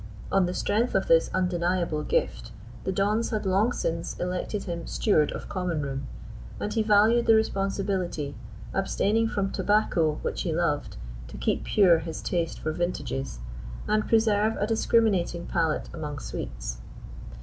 On the strength of this undeniable gift the dons had long since elected him steward of Common room; and he valued the responsibility, abstaining from tobacco which he loved to keep pure his taste for vintages, and preserve a discriminating palate among sweets.